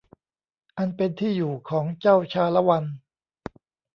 อันเป็นที่อยู่ของเจ้าชาละวัน